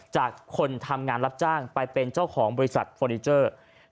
คนทำงานรับจ้างไปเป็นเจ้าของบริษัทเฟอร์นิเจอร์